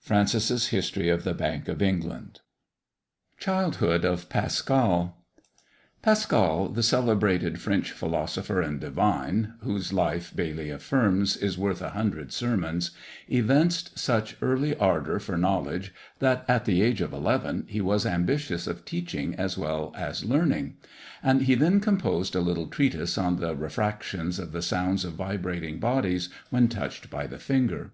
Francis's History of the Bank of England. CHILDHOOD OF PASCAL. Pascal, the celebrated French philosopher and divine, (whose life, Bayle affirms, is worth a hundred sermons), evinced such early ardour for knowledge, that, at the age of eleven, he was ambitious of teaching as well as learning; and he then composed a little treatise on the refractions of the sounds of vibrating bodies when touched by the finger.